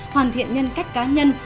hoàn thiện nhân cách cá nhân